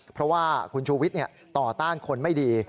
เพราะว่าคุณชูวิทย์ต่อต้านคนไม่ดี